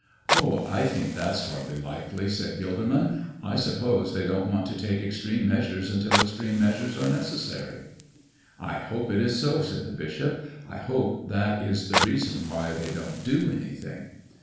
"Oh, I think that's hardly likely," said Gilderman. "I suppose they don't want to take extreme measures until extreme measures are necessary." "I hope it is so," said the bishop. "I hope that is the reason why they won't do anything."